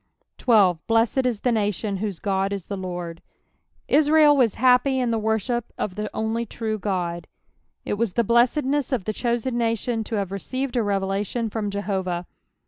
12. " Binned i* the nation whote God ie the Lord." Israel was happy in the worship of the only true God. It was the blessedness of the chosen nation to have received a revelation from JehoTah.